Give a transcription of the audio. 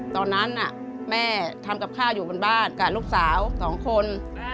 ตอนนั้นแม่ทำกับข้าวอยู่บนบ้านกับลูกสาว๒คน